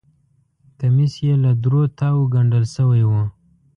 کمیس یې له درو تاوو ګنډل شوی و.